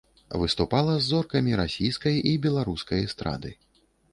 Выступала з зоркамі расійскай і беларускай эстрады.